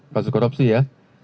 kasus korupsi ya